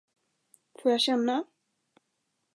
Får jag känna?